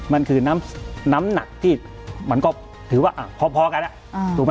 มันคือน้ำหนักที่มันก็ถือว่าพอกันถูกไหม